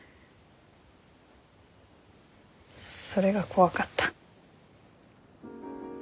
それが怖かった。